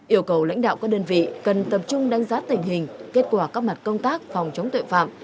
yêu cầu lãnh đạo các đơn vị cần tập trung đánh giá tình hình kết quả các mặt công tác phòng chống tội phạm